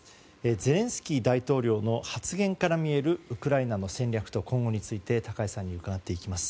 ゼレンスキー大統領の発言から見えるウクライナの戦略と今後について高橋さんに伺っていきます。